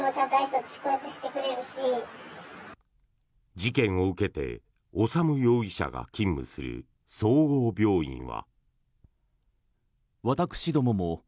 事件を受けて修容疑者が勤務する総合病院は。